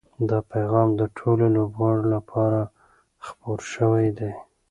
دا پیغام د ټولو لوبغاړو لپاره خپور شوی دی.